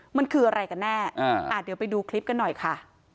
มันคืออะไรกันแน่อ่าเดี๋ยวไปดูคลิปกันหน่อยค่ะ